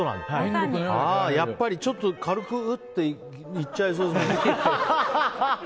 やっぱりちょっと、軽くうっていっちゃいそう。